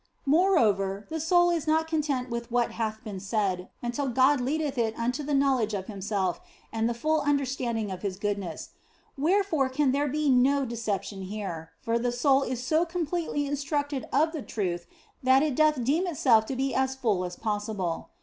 Moreover, the soul is not content with what hath been said, until God leadeth it unto the knowledge of Himself and the full under standing of His goodness wherefore can there be no de ception here, for the soul is so completely instructed of the truth that it doth deem itself to be as full as possible.